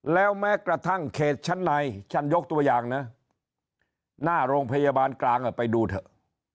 แล้วแม้กระทั่งเขตชั้นในฉันยกตัวอย่างนะหน้าโรงพยาบาลกลางไปดูเถอะ